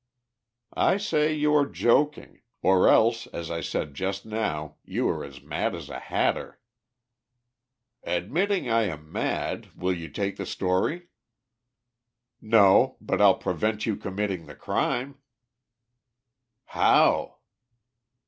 "I say you are joking, or else, as I said just now, you are as mad as a hatter." "Admitting I am mad, will you take the story?" "No, but I'll prevent you committing the crime." "How?"